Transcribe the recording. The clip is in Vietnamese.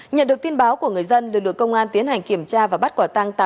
nhận được tin báo của người dân lực lượng công an tiến hành kiểm tra và bắt quả tang tám đối tượng